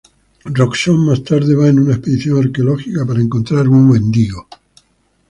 Roxxon más tarde va en una expedición arqueológica para encontrar un Wendigo.